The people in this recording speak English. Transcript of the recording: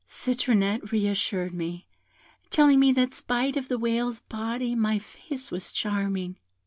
Citronette re assured me, telling me that spite of the whale's body my face was charming.